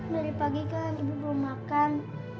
dari pagi kan ibu belum makan